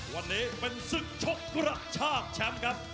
วันนี้เป็นศึกชกกระชากแชมป์ครับ